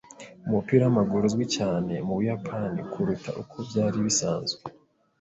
Umupira w'amaguru uzwi cyane mu Buyapani kuruta uko byari bisanzwe.